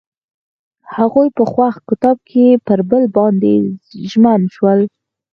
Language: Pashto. هغوی په خوښ کتاب کې پر بل باندې ژمن شول.